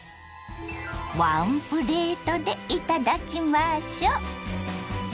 ワンプレートでいただきましょ。